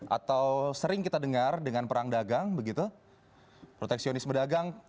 atau sering kita dengar dengan perang dagang begitu proteksionisme dagang